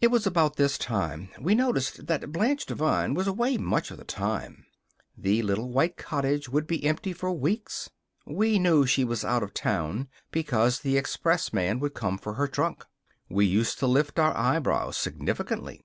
It was about this time we noticed that Blanche Devine was away much of the time. The little white cottage would be empty for weeks. We knew she was out of town because the expressman would come for her trunk. We used to lift our eyebrows significantly.